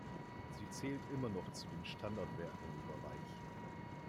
Sie zählt noch immer zu den Standardwerken über Reich.